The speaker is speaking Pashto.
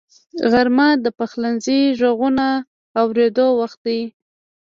غرمه د پخلنځي غږونو اورېدو وخت دی